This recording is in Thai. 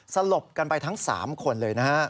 สลบกันไปทั้ง๓คนเลยนะฮะ